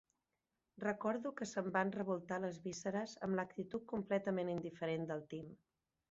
Recordo que se'm van revoltar les vísceres amb l'actitud completament indiferent del Tim.